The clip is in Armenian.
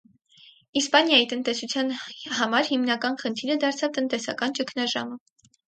Իսպանիայի տնտեսության համար հիմնական խնդիրը դարձավ տնտեսական ճգնաժամը։